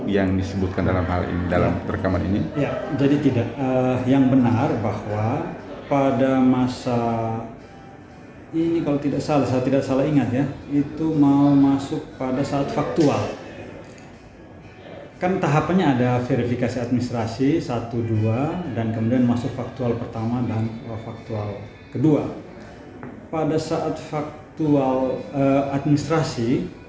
yang disebutkan dalam hal ini dalam rekaman ini